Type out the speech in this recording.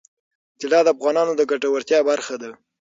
طلا د افغانانو د ګټورتیا برخه ده.